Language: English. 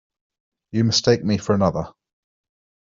You mistake me for another.